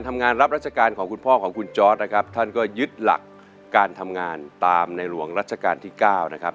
ทำงานรับราชการของคุณพ่อของคุณจอร์ดนะครับท่านก็ยึดหลักการทำงานตามในหลวงรัชกาลที่๙นะครับ